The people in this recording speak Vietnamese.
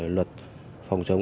luật phòng chống